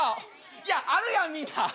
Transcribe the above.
いやあるやんみんな。